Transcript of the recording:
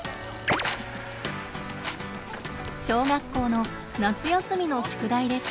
小学校の夏休みの宿題です。